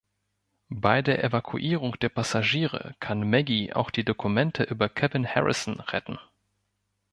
Bei der Evakuierung der Passagiere kann Maggie auch die Dokumente über Kevin Harrison retten.